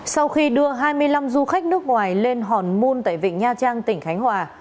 sau khi đưa hai mươi năm du khách nước ngoài lên hòn mon tại vịnh nha trang tỉnh khánh hòa